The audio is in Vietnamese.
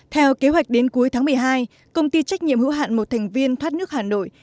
theo kế hoạch đến cuối tháng một mươi hai công ty trách nhiệm hữu hạn một thành viên thoát nước hà nội